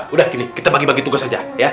udah gini kita bagi bagi tugas aja